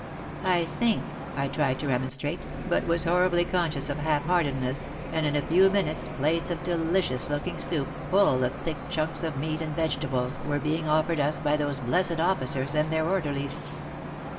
I think I tried to remonstrate, but was horribly conscious of half heartedness, and in a few minutes plates of delicious looking soup, full of thick chunks of meat and veget ables, were being offered us by those blessed officers and their orderlies.